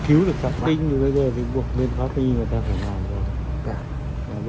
hãy vì không cứu được phạm tinh như bây giờ thì buộc bên pháp y người ta phải làm rồi